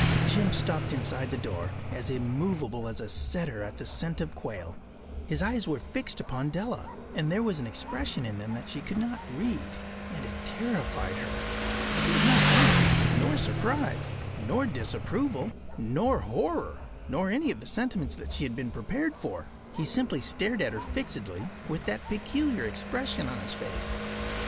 Jim stopped inside the door, as immovable as a setter at the scent of quail. His eyes were fixed upon Della, and there was an expression in them that she could not read, and it terrified her. It was not anger, nor surprise, nor disapproval, nor horror, nor any of the sentiments that she had been prepared for. He simply stared at her fixedly with that peculiar expression on his face.